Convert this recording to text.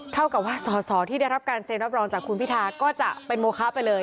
เท่ากับว่าสอสอที่ได้รับการเซ็นรับรองจากคุณพิทาก็จะเป็นโมคะไปเลย